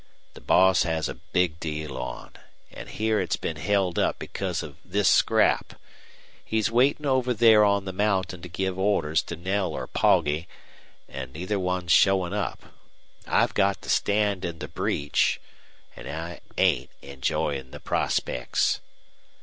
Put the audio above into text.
The boss has a big deal on, an' here it's been held up because of this scrap. He's waitin' over there on the mountain to give orders to Knell or Poggy, an' neither one's showin' up. I've got to stand in the breach, an' I ain't enjoyin' the prospects."